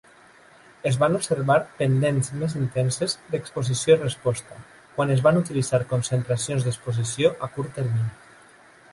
Es van observar pendents més intenses d'exposició-resposta quan es van utilitzar concentracions d'exposició a curt termini.